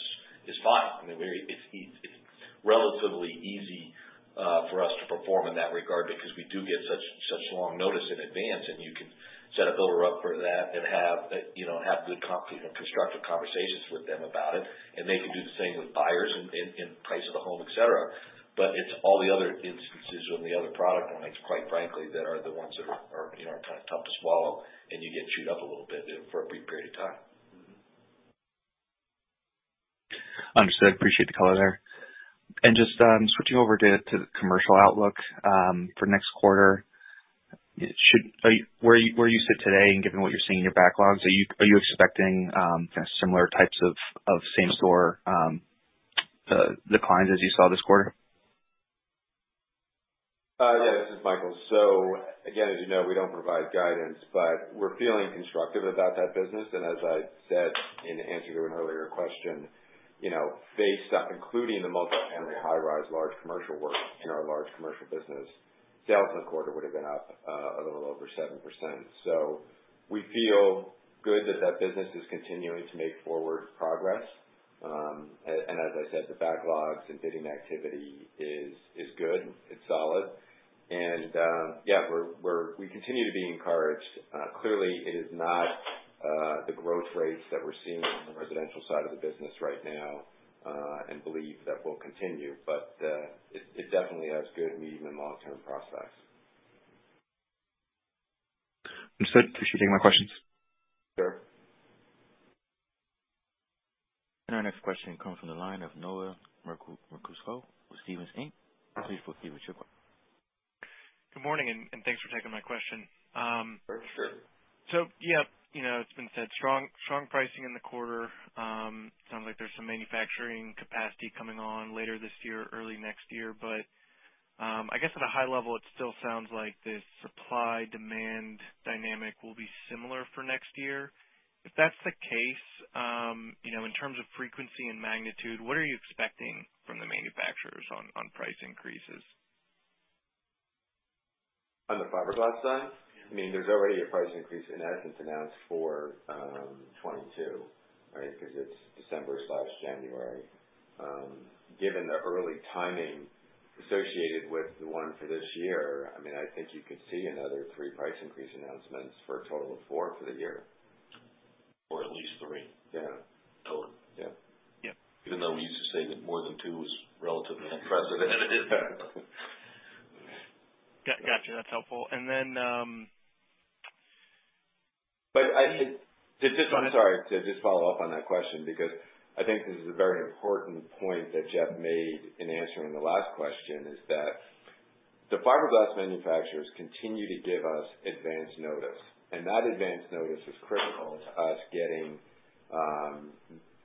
is fine. I mean, it's relatively easy for us to perform in that regard because we do get such long notice in advance, and you can set a builder up for that and have, you know, good constructive conversations with them about it. And they can do the same with buyers in the price of the home, et cetera. But it's all the other instances with the other product lines, quite frankly, that are the ones that are, you know, kind of tough to swallow, and you get chewed up a little bit there for a brief period of time. Understood. Appreciate the color there. And just switching over to the commercial outlook for next quarter, are you where you sit today and given what you're seeing in your backlogs, are you expecting, you know, similar types of same store declines as you saw this quarter? Yeah, this is Michael. So again, as you know, we don't provide guidance, but we're feeling constructive about that business. And as I said in answer to an earlier question, you know, based on including the multifamily, high-rise, large commercial work in our large commercial business, sales in the quarter would have been up a little over 7%. So we feel good that that business is continuing to make forward progress. And as I said, the backlogs and bidding activity is good, it's solid. And yeah, we continue to be encouraged. Clearly, it is not the growth rates that we're seeing on the residential side of the business right now, and believe that will continue. But it definitely has good medium and long-term prospects. Understood. Appreciate you taking my questions. Sure. And our next question comes from the line of Noah Merkousko with Stephens Inc. Please proceed with your question. Good morning, and thanks for taking my question. Sure. So, yeah, you know, it's been said, strong, strong pricing in the quarter. Sounds like there's some manufacturing capacity coming on later this year, early next year. But, I guess at a high level, it still sounds like this supply-demand dynamic will be similar for next year. If that's the case, you know, in terms of frequency and magnitude, what are you expecting from the manufacturers on price increases? On the fiberglass side? I mean, there's already a price increase, in essence, announced for 2022, right? Because it's December/January. Given the early timing associated with the one for this year, I mean, I think you could see another three price increase announcements for a total of four for the year. Or at least three. Yeah. Total. Yeah. Yeah. Even though we used to say that more than two was relatively unprecedented. Gotcha, that's helpful. And then... But I'm sorry to just follow up on that question, because I think this is a very important point that Jeff made in answering the last question, is that the fiberglass manufacturers continue to give us advance notice, and that advance notice is critical to us getting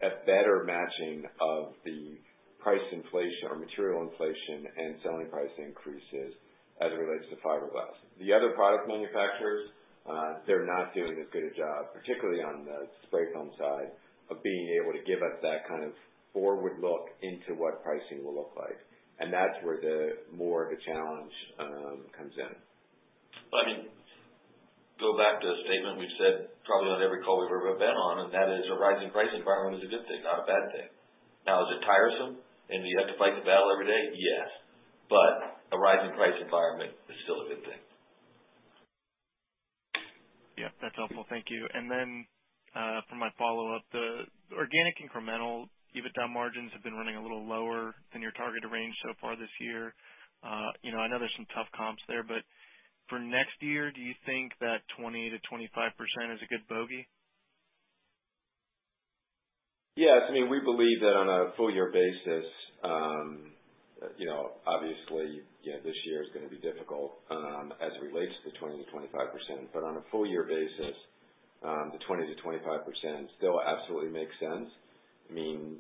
a better matching of the price inflation or material inflation and selling price increases as it relates to fiberglass. The other product manufacturers, they're not doing as good a job, particularly on the spray foam side, of being able to give us that kind of forward look into what pricing will look like. And that's where the more of the challenge comes in. I mean, go back to a statement we've said probably on every call we've ever been on, and that is a rising price environment is a good thing, not a bad thing. Now, is it tiresome and you have to fight the battle every day? Yes, but a rising price environment is still a good thing. Yeah, that's helpful. Thank you. And then, for my follow-up, the organic incremental EBITDA margins have been running a little lower than your targeted range so far this year. You know, I know there's some tough comps there, but for next year, do you think that 20%-25% is a good bogey? Yes. I mean, we believe that on a full year basis, you know, obviously, you know, this year is going to be difficult, as it relates to the 20%-25%. But on a full year basis, the 20%-25% still absolutely makes sense. I mean,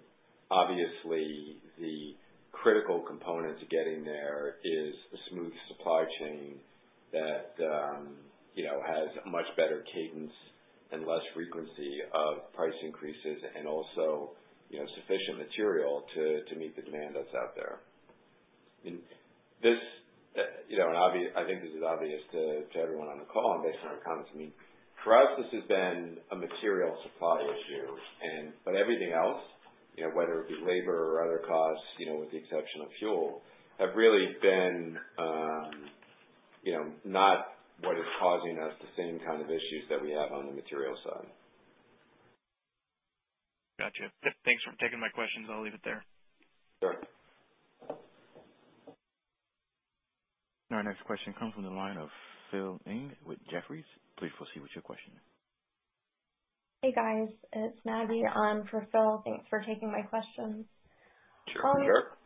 obviously, the critical component to getting there is a smooth supply chain that, you know, has a much better cadence and less frequency of price increases and also, you know, sufficient material to meet the demand that's out there. And this, you know, and obviously, I think this is obvious to everyone on the call and based on our comments. I mean, for us, this has been a material supply issue, but everything else, you know, whether it be labor or other costs, you know, with the exception of fuel, have really been, you know, not what is causing us the same kind of issues that we have on the material side. Gotcha. Yep. Thanks for taking my questions. I'll leave it there. Sure. Our next question comes from the line of Phil Ng with Jefferies. Please proceed with your question. Hey, guys, it's Maggie on for Phil. Thanks for taking my questions. Sure, you're welcome.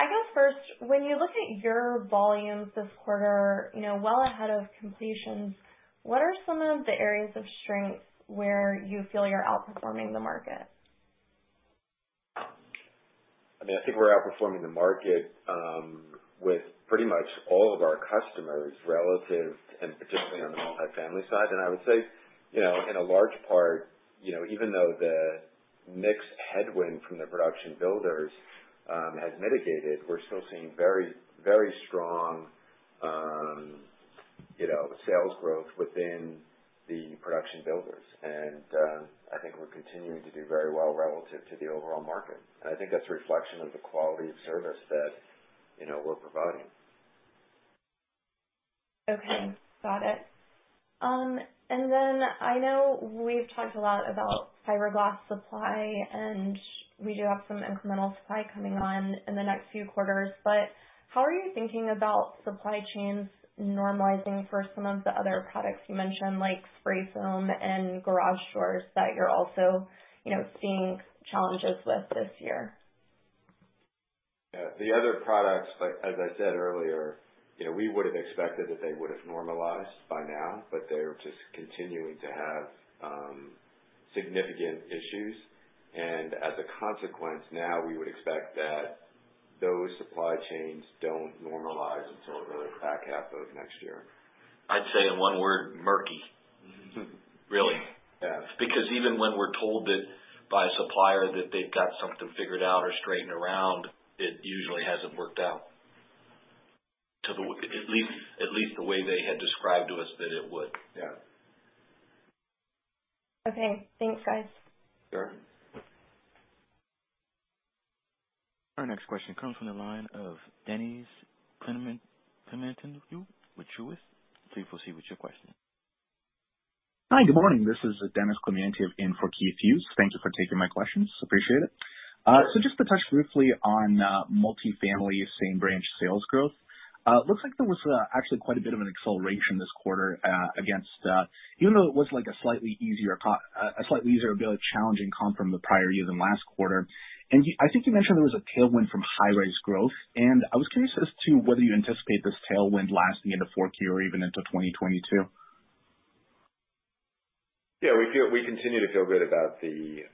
I guess first, when you look at your volumes this quarter, you know, well ahead of completions, what are some of the areas of strength where you feel you're outperforming the market? I mean, I think we're outperforming the market, with pretty much all of our customers relative, and particularly on the multifamily side. And I would say, you know, in a large part, you know, even though the mixed headwind from the production builders has mitigated, we're still seeing very, very strong, you know, sales growth within the production builders. And, I think we're continuing to do very well relative to the overall market. And I think that's a reflection of the quality of service that, you know, we're providing. Okay, got it. And then I know we've talked a lot about fiberglass supply, and we do have some incremental supply coming on in the next few quarters, but how are you thinking about supply chains normalizing for some of the other products you mentioned, like spray foam and garage doors, that you're also, you know, seeing challenges with this year? Yeah, the other products, like, as I said earlier, you know, we would've expected that they would've normalized by now, but they're just continuing to have significant issues. And as a consequence, now we would expect that those supply chains don't normalize until the back half of next year. I'd say in one word, murky. Really. Yeah. Because even when we're told that by a supplier that they've got something figured out or straightened around, it usually hasn't worked out the way, at least the way they had described to us that it would. Yeah. Okay. Thanks, guys. Sure. Our next question comes from the line of Dennis Clementi with Truist. Please proceed with your question. Hi, good morning. This is Dennis Clementi filling in for Keith Hughes. Thank you for taking my questions. Appreciate it. So just to touch briefly on multifamily same-branch sales growth. Looks like there was actually quite a bit of an acceleration this quarter against even though it was like a slightly easier but challenging comp from the prior year than last quarter. And I think you mentioned there was a tailwind from high-rise growth, and I was curious as to whether you anticipate this tailwind lasting into 4Q or even into 2022? Yeah, we feel we continue to feel good about the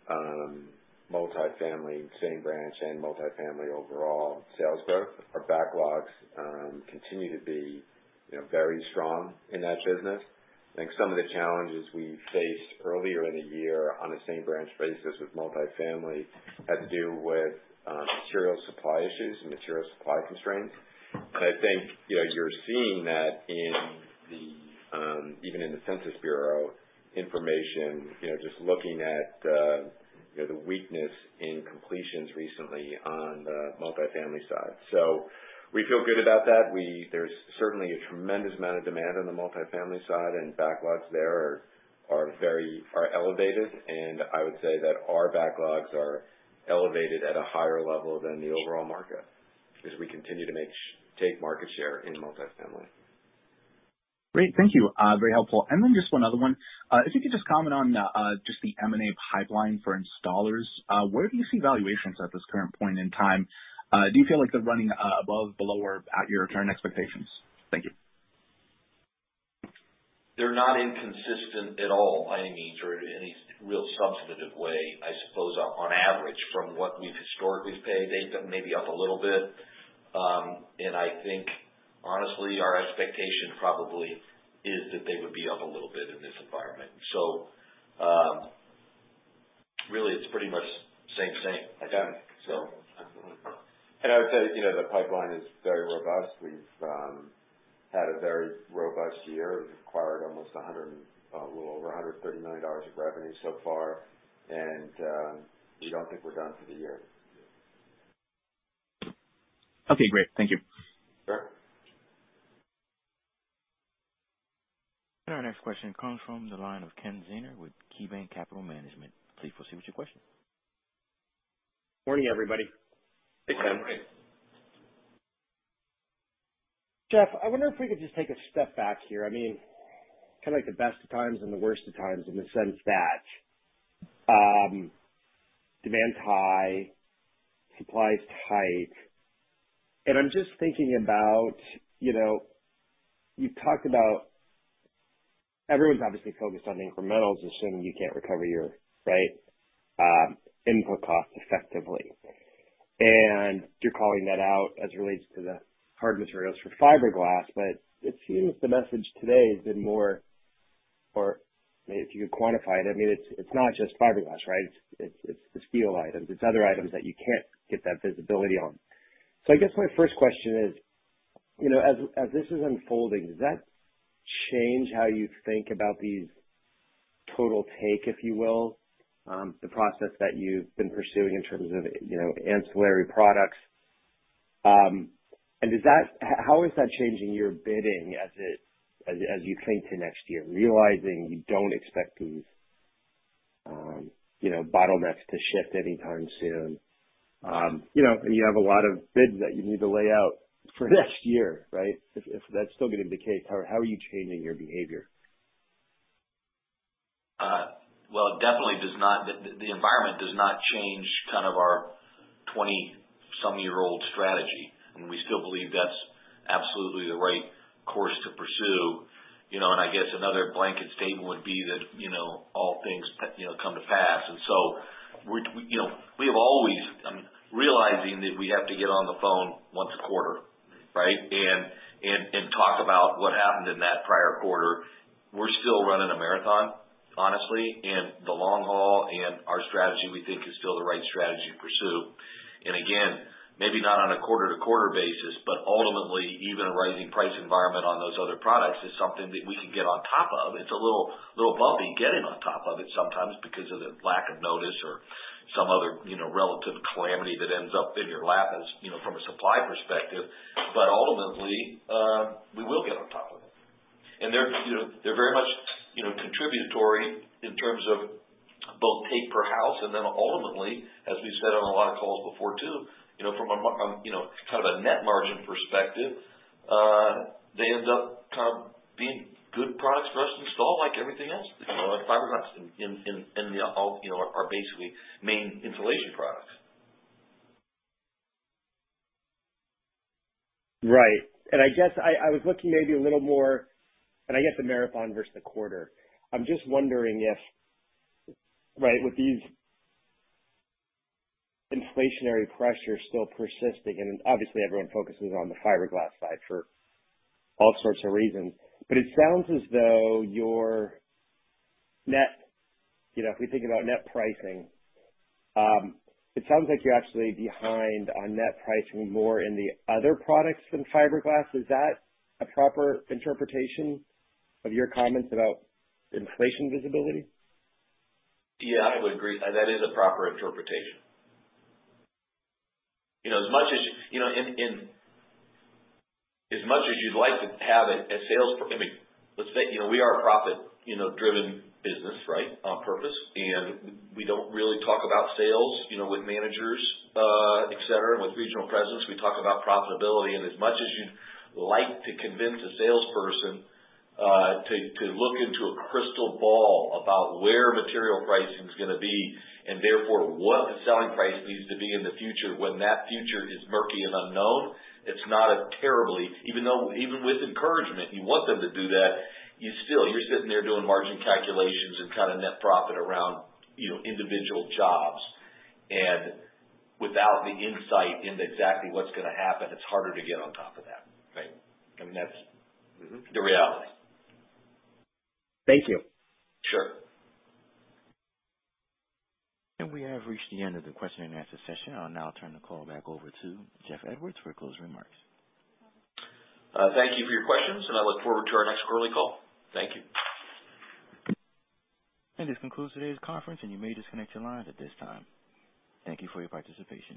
multifamily, same branch and multifamily overall sales growth. Our backlogs continue to be, you know, very strong in that business. I think some of the challenges we faced earlier in the year on a same branch basis with multifamily had to do with material supply issues and material supply constraints. And I think, you know, you're seeing that in the even in the Census Bureau information, you know, just looking at you know, the weakness in completions recently on the multifamily side. So we feel good about that. There's certainly a tremendous amount of demand on the multifamily side, and backlogs there are very elevated, and I would say that our backlogs are elevated at a higher level than the overall market, as we continue to take market share in multifamily. Great. Thank you. Very helpful. And then just one other one. If you could just comment on just the M&A pipeline for installers. Where do you see valuations at this current point in time? Do you feel like they're running above, below, or at your return expectations? Thank you. They're not inconsistent at all, by any means, or in any real substantive way, I suppose, on average, from what we've historically paid. They maybe up a little bit. And I think honestly, our expectation probably is that they would be up a little bit in this environment. So, really, it's pretty much same, same. Identical. So. Absolutely. And I would say, you know, the pipeline is very robust. We've had a very robust year. We've acquired a little over $130 million of revenue so far, and we don't think we're done for the year. Okay, great. Thank you. Sure. Our next question comes from the line of Ken Zener with KeyBanc Capital Markets. Please proceed with your question. Morning, everybody. Hey, Ken. Morning. Jeff, I wonder if we could just take a step back here. I mean, kind of like the best of times and the worst of times in the sense that, demand's high, supply is tight. And I'm just thinking about, you know, you've talked about ... Everyone's obviously focused on incrementals, assuming you can't recover your, right, input costs effectively. And you're calling that out as it relates to the hard materials for fiberglass, but it seems the message today has been more, or if you could quantify it, I mean, it's, it's not just fiberglass, right? It's, it's the steel items, it's other items that you can't get that visibility on. So I guess my first question is, you know, as this is unfolding, does that change how you think about these total take, if you will, the process that you've been pursuing in terms of, you know, ancillary products? And how is that changing your bidding as you think to next year, realizing you don't expect these, you know, bottlenecks to shift anytime soon? You know, and you have a lot of bids that you need to lay out for next year, right? If that's still going to indicate, how are you changing your behavior? Well, it definitely does not—the environment does not change kind of our 20-some-year-old strategy, and we still believe that's absolutely the right course to pursue. You know, and I guess another blanket statement would be that, you know, all things, you know, come to pass. And so we, you know, we have always, realizing that we have to get on the phone once a quarter, right? And talk about what happened in that prior quarter. We're still running a marathon, honestly, in the long haul, and our strategy, we think, is still the right strategy to pursue. And again, maybe not on a quarter-to-quarter basis, but ultimately, even a rising price environment on those other products is something that we can get on top of. It's a little, little bumpy getting on top of it sometimes because of the lack of notice or some other, you know, relative calamity that ends up in your lap, as you know, from a supply perspective. But ultimately, we will get on top of it. And they're, you know, they're very much, you know, contributory in terms of both take per house, and then ultimately, as we said on a lot of calls before, too, you know, from a margin, you know, kind of a net margin perspective, they end up kind of being good products for us to install, like everything else, fiberglass and all, you know, are basically main insulation products. Right. And I guess I was looking maybe a little more, and I guess the marathon versus the quarter. I'm just wondering if, right, with these inflationary pressures still persisting, and obviously everyone focuses on the fiberglass side for all sorts of reasons, but it sounds as though your net, you know, if we think about net pricing, it sounds like you're actually behind on net pricing more in the other products than fiberglass. Is that a proper interpretation of your comments about inflation visibility? Yeah, I would agree. That is a proper interpretation. You know, as much as you'd like to have it, I mean, let's say, you know, we are a profit-driven business, right? On purpose. And we don't really talk about sales, you know, with managers, et cetera, with regional presidents, we talk about profitability. And as much as you'd like to convince a salesperson to look into a crystal ball about where material pricing is gonna be, and therefore what the selling price needs to be in the future, when that future is murky and unknown, it's not a terribly even though even with encouragement, you want them to do that, you still, you're sitting there doing margin calculations and kind of net profit around, you know, individual jobs. Without the insight into exactly what's gonna happen, it's harder to get on top of that, right? I mean, that's- Mm-hmm. -the reality. Thank you. Sure. We have reached the end of the question and answer session. I'll now turn the call back over to Jeff Edwards for closing remarks. Thank you for your questions, and I look forward to our next quarterly call. Thank you. This concludes today's conference, and you may disconnect your lines at this time. Thank you for your participation.